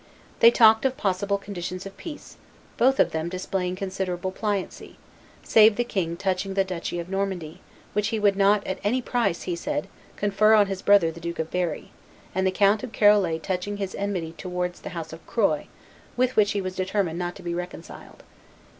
They talked of possible conditions of peace, both of them displaying considerable pliancy, save the king touching the duchy of Normandy, which he would not at any price, he said, confer on his brother the Duke of Berry, and the Count of Charolais touching his enmity towards the house of Croy, with which he was determined not to be reconciled.